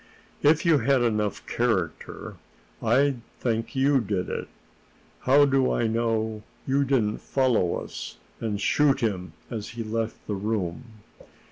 "If you had enough character, I'd think you did it. How do I know you didn't follow us, and shoot him as he left the room?"